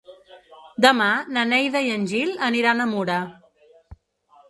Demà na Neida i en Gil aniran a Mura.